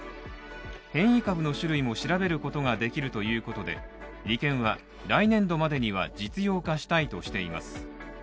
変異株の種類を調べることができるということで、理研は来年度までには実用化したいとしています。